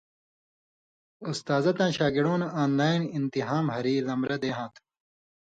اُستازہ تاں شاگڑؤں نہ آن لائن انتحام ہَری لمبرہ دے ہاں تھو ۔